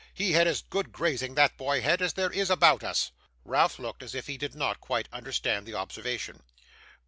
He had as good grazing, that boy had, as there is about us.' Ralph looked as if he did not quite understand the observation.